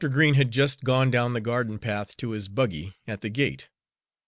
Green had just gone down the garden path to his buggy at the gate.